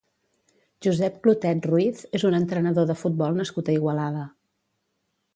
Josep Clotet Ruiz és un entrenador de futbol nascut a Igualada.